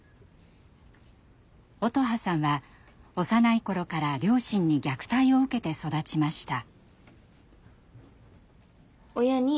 音羽さんは幼い頃から両親に虐待を受けて育ちました。